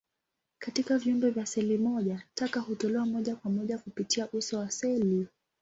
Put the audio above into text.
Katika viumbe vya seli moja, taka hutolewa moja kwa moja kupitia uso wa seli.